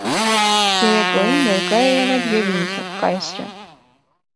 Երեկոյին ներկա է եղել և ինքը՝ կայսրը։